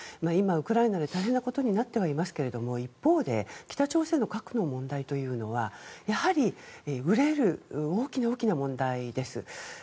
今、ウクライナで大変なことになってはいますが一方で、北朝鮮の核の問題というのはやはり、憂える大きな大きな問題です。